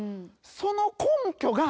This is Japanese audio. その根拠が。